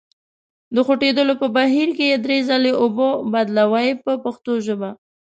د خوټېدلو په بهیر کې یې درې ځلې اوبه بدلوئ په پښتو ژبه.